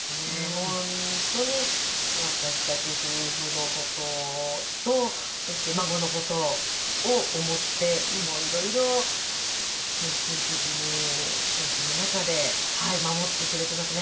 本当に私たち夫婦の事とそして孫の事を思って色々献身的にお家の中で守ってくれていますね。